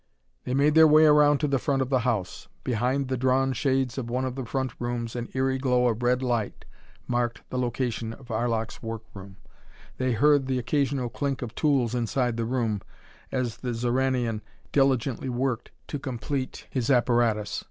They made their way around to the front of the house. Behind the drawn shades of one of the front rooms an eery glow of red light marked the location of Arlok's work room. They heard the occasional clink of tools inside the room as the Xoranian diligently worked to complete his apparatus.